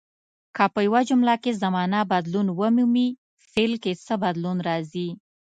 که په یوه جمله کې زمانه بدلون ومومي فعل کې څه بدلون راځي.